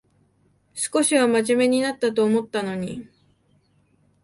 少しはまじめになったと思ったのに